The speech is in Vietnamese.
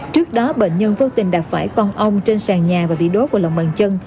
trước đó bệnh nhân vô tình đặt phải con ong trên sàn nhà và bị đốt vào lòng bàn chân